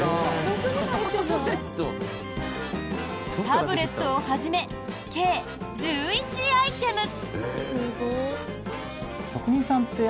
タブレットをはじめ計１１アイテム。